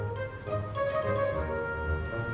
lo makan aja